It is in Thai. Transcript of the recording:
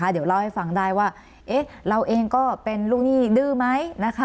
เดี๋ยวเล่าให้ฟังได้ว่าเราเองก็เป็นลูกหนี้ดื้อไหม